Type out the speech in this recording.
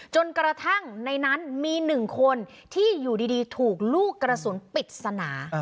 จนกระทั่งในนั้นมี๑คนที่อยู่ดีถูกลูกกระสุนปิดสนา